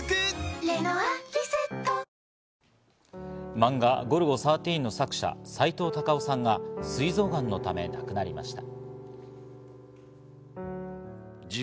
漫画『ゴルゴ１３』の作者、さいとう・たかをさんが、すい臓がんのため亡くなりました。